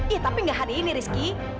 eh tapi gak hari ini rizky